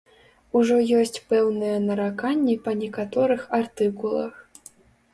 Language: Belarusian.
Ужо ёсць пэўныя нараканні па некаторых артыкулах.